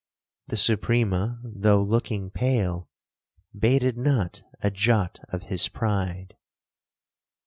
The Suprema, though looking pale, bated not a jot of his pride.